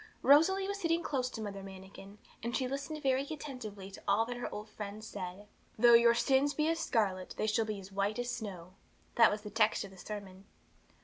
Rosalie was sitting close to Mother Manikin, and she listened very attentively to all that her old friend said. 'Though your sins be as scarlet, they shall be as white as snow:' that was the text of the sermon.